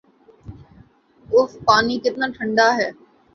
if پانی کتنا ٹھنڈا ہے